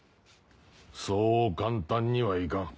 そう簡単にはいかん。